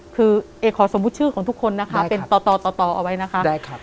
คือเอ๋ขอสมบูรณ์ชื่อของทุกคนนะคะได้ค่ะเป็นต่อต่อต่อต่อเอาไว้นะคะได้ค่ะ